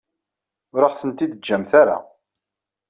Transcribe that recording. Ur aɣ-tent-id-teǧǧamt ara.